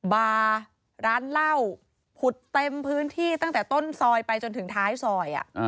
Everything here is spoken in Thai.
บาร์ร้านเหล้าผุดเต็มพื้นที่ตั้งแต่ต้นซอยไปจนถึงท้ายซอย